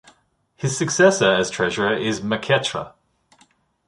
His successor as treasurer is Méketrê.